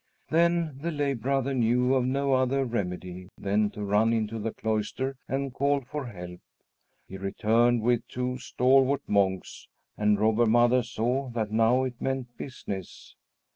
Then the lay brother knew of no other remedy than to run into the cloister and call for help. He returned with two stalwart monks, and Robber Mother saw that now it meant business!